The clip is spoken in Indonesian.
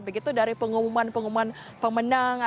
begitu dari pengumuman pengumuman pemenang